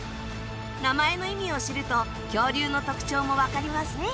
名前の意味を知ると恐竜の特徴もわかりますね。